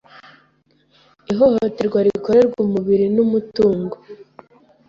Ihohoterwa rikorerwa umubiri n'umutungo